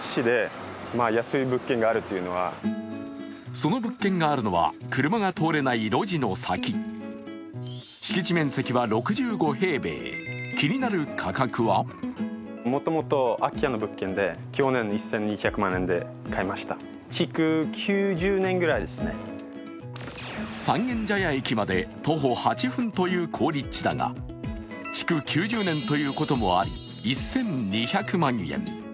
その物件があるのは車が通れない路地の先敷地面積は６５平米、気になる価格は三軒茶屋駅まで徒歩８分という好立地だが築９０年ということもあり、１２００万円。